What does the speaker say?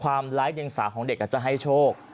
แดมรกับหัวสำนักศึกษาของเด็กอาจจะให้โชค